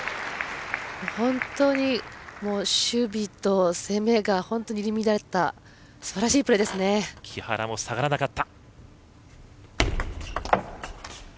本当に守備と攻めが入り乱れた木原も下がらなかった。